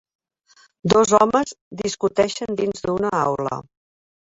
Dos homes discuteixen dins d'una aula.